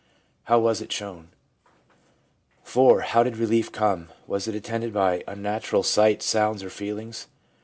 How was it shown ? 1 IV. How did relief come? Was it attended by unnatural sights, sounds, or feelings?